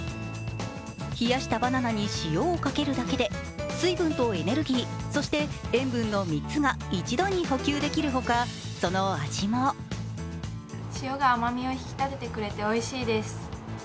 冷やしたバナナに塩をかけるだけで水分とエネルギー、そして塩分の３つが一度に補給できるほか、その味も塩が甘みを引き立ててくれておいしいです。